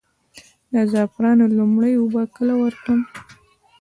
د زعفرانو لومړۍ اوبه کله ورکړم؟